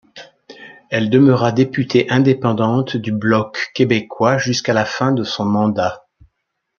Elle demeura députée indépendante du Bloc québécois jusqu'à la fin de son mandat.